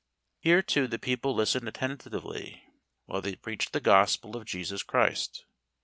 Here, too, the people listened attentively, while they preached the gospel of Jesus Christ.